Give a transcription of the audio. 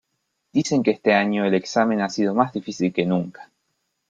Dicen que este año el exámen ha sido más difícil que nunca.